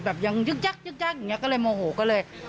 แบบยังยึกยักยึกยักอย่างนี้ก็เลยโมโหก็เลย